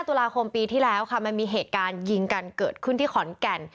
ตุลาคมปีที่แล้วค่ะมันมีเหตุการณ์ยิงกันเกิดขึ้นที่ขอนแก่น